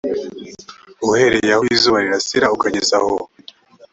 uhereye aho izuba rirasira ukageza aho